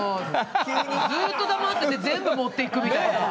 ずっと黙ってて全部持っていくみたいな。